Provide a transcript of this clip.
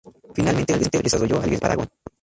Finalmente, desarrolló al guerrero Paragon.